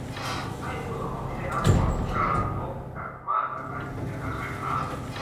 ให้ผู้ส่งออกที่ได้รับผลกระทบจากมาตรการกีดกันทางการค้า